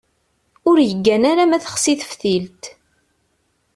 Ur yeggan ara ma texsi teftilt.